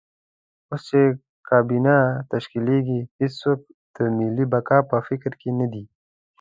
اوس چې کابینه تشکیلېږي هېڅوک د ملي بقا په فکر کې نه دي.